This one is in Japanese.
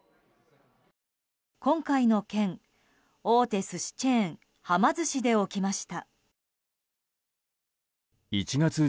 今回の件、大手寿司チェーンはま寿司で起きました。